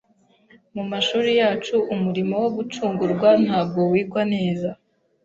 Mu mashuri yacu umurimo wo gucungurwa ntabwo wigwa neza.